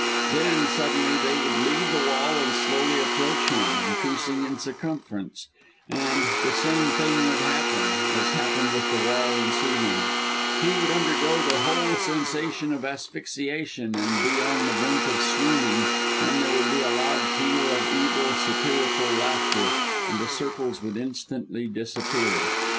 Then, suddenly, they would leave the wall and slowly approach him, increasing in circumference; and the same thing would happen, as happened with the wall and ceiling; he would undergo the whole sensation of asphyxiation, and be on the brink of swooning, when there would be a loud peal of evil, satirical laughter, and the circles would instantly disappear.